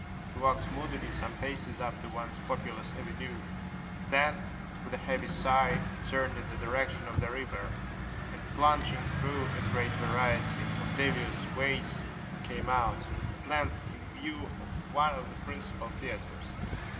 He walked moodily some paces up the once populous avenue, then, with a heavy sigh, turned in the direction of the river, and, plunging through a great variety of devious ways, came out, at length, in view of one of the principal theatres.